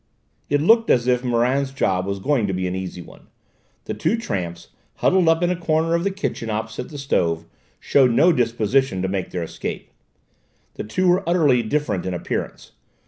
It looked as if Morand's job was going to be an easy one; the two tramps, huddled up in a corner of the kitchen opposite the stove, showed no disposition to make their escape. The two were utterly different in appearance.